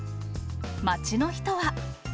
街の人は。